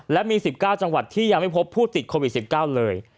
และมี๑๙จังหวัดที่ยังไม่พบผู้ติดโควิด๑๙เลย